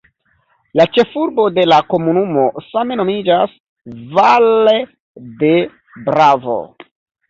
La ĉefurbo de la komunumo same nomiĝas "Valle de Bravo".